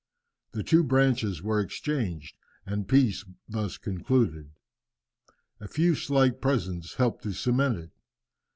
The two branches were exchanged, and peace thus concluded, a few slight presents helped to cement it.